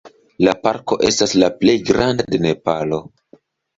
La parko estas la plej granda de Nepalo.